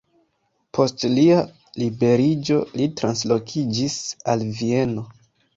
Post lia liberiĝo li translokiĝis al Vieno.